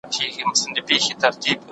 سالم ذهن اندیښنه نه خپروي.